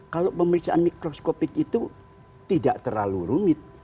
kalau pemeriksaan mikroskopik itu tidak terlalu rumit